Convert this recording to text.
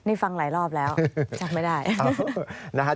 นี่ฟังหลายรอบแล้วจำไม่ได้